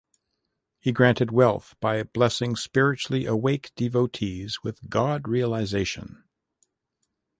He granted 'wealth' by blessing spiritually 'awake' devotees with God-realization.